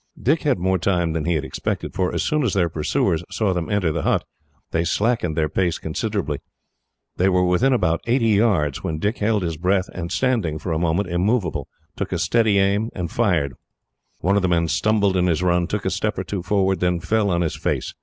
Dick had more time than he had expected, for as soon as their pursuers saw them enter the hut, they slackened their pace considerably. They were within about eighty yards, when Dick held his breath and standing, for a moment, immovable, took a steady aim and fired. One of the men stumbled in his run, took a step or two forward, and then fell on his face.